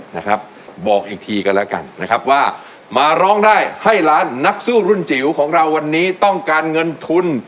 นะครับบอกอีกทีกันแล้วกันนะครับว่ามาร้องได้ให้ล้านนักสู้รุ่นจิ๋วของเราวันนี้ต้องการเงินทุน